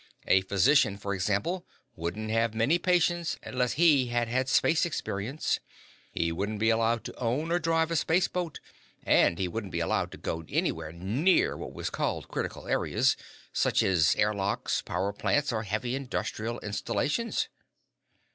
A physician, for example, wouldn't have many patients unless he had had 'space experience'; he wouldn't be allowed to own or drive a space boat, and he wouldn't be allowed to go anywhere near what are called 'critical areas' such as air locks, power plants, or heavy industry installations."